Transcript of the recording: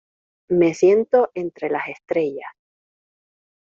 Me siento entre las estrellas